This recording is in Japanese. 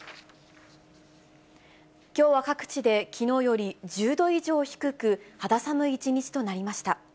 きょうは各地で、きのうより１０度以上低く、肌寒い一日となりました。